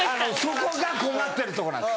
そこが困ってるとこなんです。